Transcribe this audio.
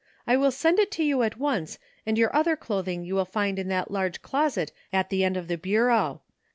I will send it to you at once, and your other clothing you will find in that large closet at the end of the bureau.